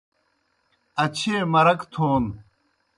اچھیئے مرک تھون